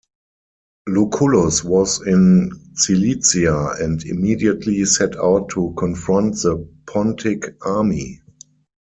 Lucullus was in Cilicia and immediately set out to confront the Pontic army.